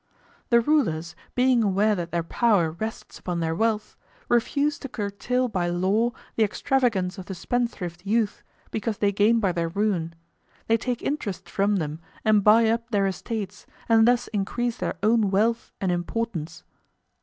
The rulers, being aware that their power rests upon their wealth, refuse to curtail by law the extravagance of the spendthrift youth because they gain by their ruin; they take interest from them and buy up their estates and thus increase their own wealth and importance?